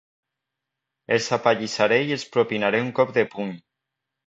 Els apallissaré i els propinaré un cop de puny!